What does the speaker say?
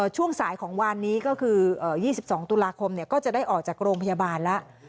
ช่วงสายของวานนี้ก็คือ๒๒ตุลาคมก็จะได้ออกจากโรงพยาบาลแล้ว